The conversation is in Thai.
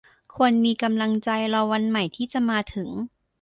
ควรมีกำลังใจรอวันใหม่ที่จะมาถึง